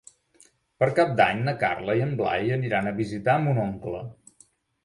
Per Cap d'Any na Carla i en Blai aniran a visitar mon oncle.